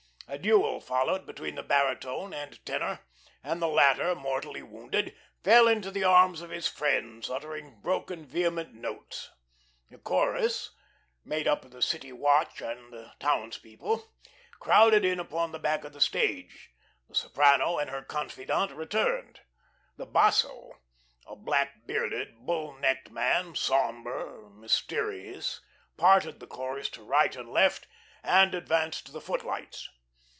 A duel followed between the baritone and tenor, and the latter, mortally wounded, fell into the arms of his friends uttering broken, vehement notes. The chorus made up of the city watch and town's people crowded in upon the back of the stage. The soprano and her confidante returned. The basso, a black bearded, bull necked man, sombre, mysterious, parted the chorus to right and left, and advanced to the footlights.